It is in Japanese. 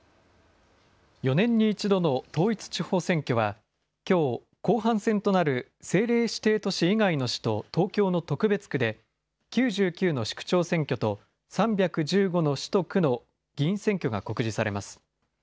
４年に１度の統一地方選挙は、きょう、後半戦となる政令指定都市以外の市と東京の特別区で、９９の市区長選挙と、３１５の市と区の議員選挙が告示されます。